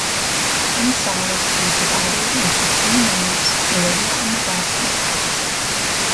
The inside is divided into three naves with a Latin cross layout.